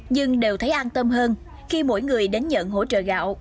nhưng đều thấy an tâm hơn khi mỗi người đến nhận hỗ trợ gạo